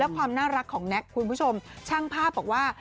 และความน่ารักของแน็คช่างภาพบอกว่า